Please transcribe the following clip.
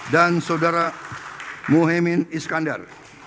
dan saudara muhyemin iskandar